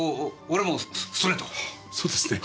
そうですね。